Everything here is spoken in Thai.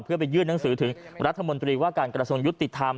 เพื่อไปยื่นหนังสือถึงรัฐมนตรีว่าการกระทรวงยุติธรรม